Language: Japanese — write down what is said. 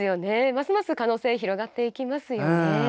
ますます可能性が広がっていきますよね。